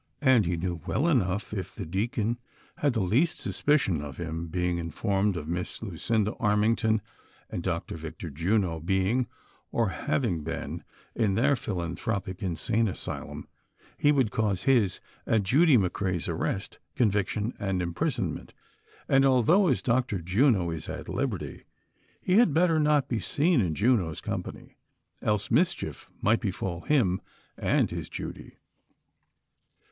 And he knew well enough, if the deacon had the least suspicion of him being informed of Miss Lu cinda Armington and Dr. Victor Juno being, or having been in their philanthropic insane asylum, he would cause his and Judy McCrea's arrest, conviction and imprison ment ; and, although as Dr. Juno is at liberty, he had bet ter not be seen in Juno's company, else mischief might be fall him and his Judy.